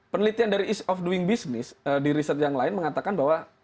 penelitian dari ease of doing business di riset yang lain mengatakan bahwa